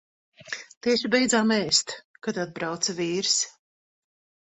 Tieši beidzam ēst, kad atbrauca vīrs.